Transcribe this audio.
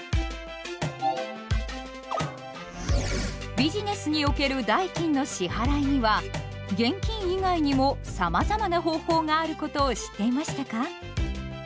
ビジネスにおける代金の支払いには現金以外にもさまざまな方法があることを知っていましたか？